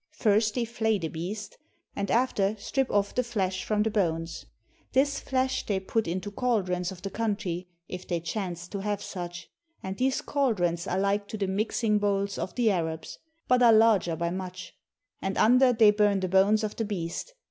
First they flay the beast, and after strip off the flesh from the bones. This flesh they put into caldrons of the country, if they chance to have such; and these caldrons are like to the mixing bowls of the Arabs, but are larger by much; and under they burn the bones of the beast.